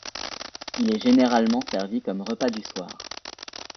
Il est généralement servi comme repas du soir.